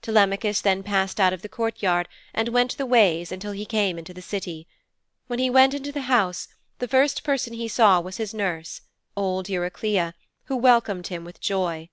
Telemachus then passed out of the courtyard and went the ways until he came into the City. When he went into the house, the first person he saw was his nurse, old Eurycleia, who welcomed him with joy.